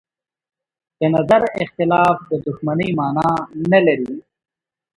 د نظر اختلاف د دښمنۍ مانا نه لري